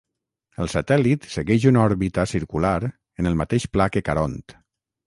El satèl·lit segueix una òrbita circular en el mateix pla que Caront.